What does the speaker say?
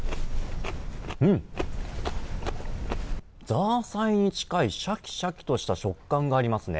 ザーサイに近いシャキシャキとした食感がありますね。